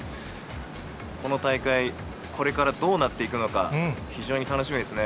この大会、これからどうなっていくのか、非常に楽しみですね。